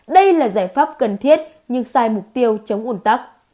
đây là giải pháp cần thiết nhưng sai mục tiêu chống ủn tắc